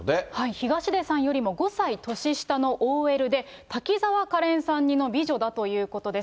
東出さんよりも５歳年下のＯＬで、滝沢カレンさん似の美女だということです。